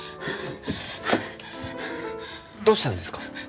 どうしたんですか？